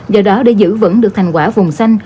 do đó để giữ vững được thành quả vùng xanh